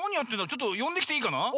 ちょっとよんできていいかな？